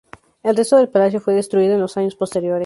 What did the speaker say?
El resto del palacio fue destruido en en los años posteriores.